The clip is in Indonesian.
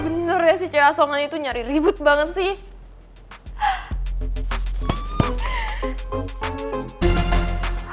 bener bener ya si c a soman itu nyari ribut banget sih